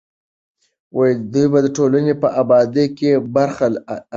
دوی به د ټولنې په ابادۍ کې برخه اخلي.